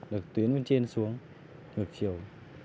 để tuyến bên trên xuống ngược chiều